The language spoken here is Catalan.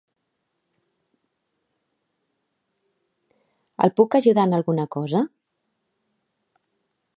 El puc ajudar en alguna cosa?